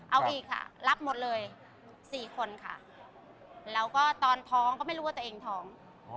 เอาอีกค่ะรับหมดเลย๔คนค่ะแล้วก็ตอนท้องก็ไม่รู้ว่าตัวเองท้อง